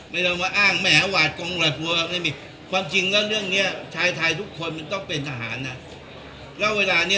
ไม่ใช่วาดกว่าไม่อยากเป็นมากวาด